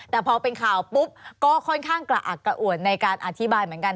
แต่พอเป็นข่าวปุ๊บก็ค่อนข้างกระอักกระอวดในการอธิบายเหมือนกัน